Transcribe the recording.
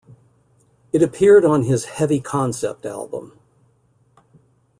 It appeared on his "Heavy Concept" album.